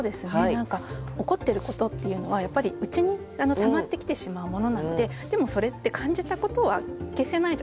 何か怒ってることっていうのはやっぱり内にたまってきてしまうものなのででもそれって感じたことは消せないじゃないですか。